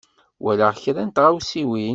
Walaɣ kra n tɣawsiwin.